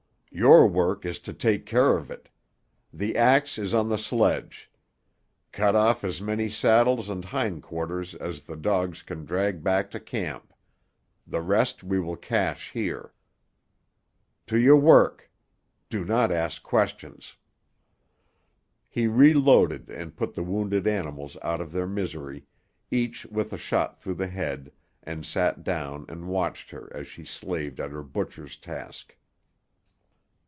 "Your work is to take care of it. The axe is on the sledge. Cut off as many saddles and hind quarters as the dogs can drag back to camp. The rest we will cache here. To your work. Do not ask questions." He reloaded and put the wounded animals out of their misery, each with a shot through the head, and sat down and watched her as she slaved at her butcher's task.